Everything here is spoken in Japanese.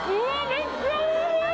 めっちゃおいしい！